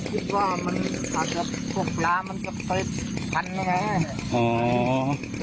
คิดว่ามันอาจจะปลามันจะเตรียมพันธุ์อย่างเงี้ยอ๋อ